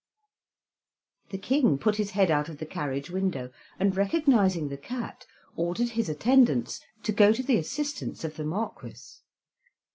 The King put his head out of the carriage window and, recognizing the cat, ordered his attendants to go to the assistance of the Marquis.